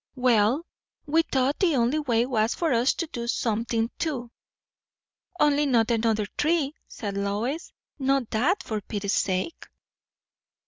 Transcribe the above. "Well, we thought the only way was for us to do somethin' too." "Only not another tree," said Lois. "Not that, for pity's sake."